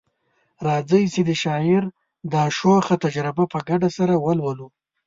راځئ چي د شاعر دا شوخه تجربه په ګډه سره ولولو